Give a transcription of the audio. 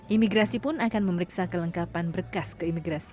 imigrasi pun akan memeriksa kelengkapan berkas keimigrasian